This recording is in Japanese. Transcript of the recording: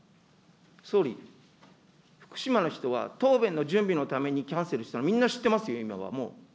総理、福島の人は答弁の準備のためにキャンセルしたの、みんな知ってますよ、今はもう。